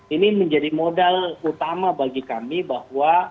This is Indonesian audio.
ini menjadi modal utama bagi kami bahwa